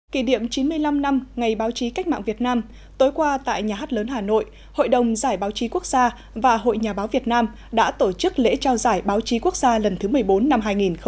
kỷ niệm chín mươi năm năm ngày báo chí cách mạng việt nam tối qua tại nhà hát lớn hà nội hội đồng giải báo chí quốc gia và hội nhà báo việt nam đã tổ chức lễ trao giải báo chí quốc gia lần thứ một mươi bốn năm hai nghìn một mươi chín